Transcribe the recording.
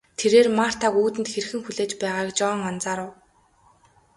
Тэрээр Мартаг үүдэнд хэрхэн хүлээж байгааг Жон анзаарав.